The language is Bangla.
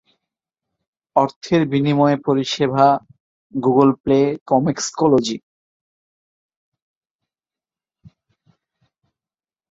অর্থের বিনিময়ে পরিষেবা: গুগল প্লে, কমিক্সোলজি।